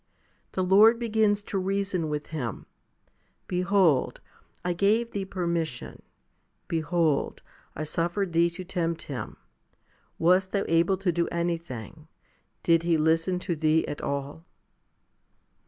The Lord begins to reason with him, "Behold, I gave thee permission ; behold, I suffered thee to tempt him. Wast thou able to do anything ? Did he listen to thee at all